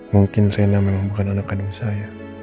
mungkin rena memang bukan anak kandung saya